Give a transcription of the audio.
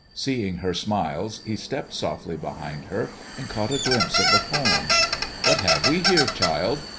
Seeing her smiles, he stepped softly behind her, and caught a glimpse of the poem. " "What have we here, child